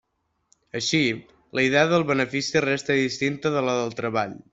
Així, la idea del benefici resta distinta de la del treball.